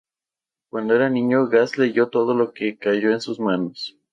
Cuando era niño, Gass leyó todo lo que cayó en sus manos.